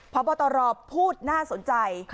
พบตรพูดน่าสนใจ